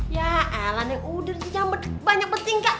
ya elah neng udah sih jangan banyak penting kak